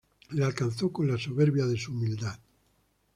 Le alcanzó con la soberbia de su humildad.